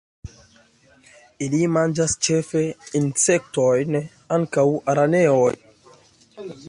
Ili manĝas ĉefe insektojn, ankaŭ araneojn.